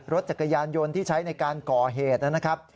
รถจักรยานยนต์ที่ใช้ในการก่อเหตุนะครับ